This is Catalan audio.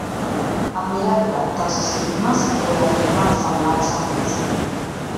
El miracle dels estigmes reafirma la semblança amb Crist.